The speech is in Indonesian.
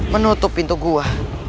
menutup pintu gua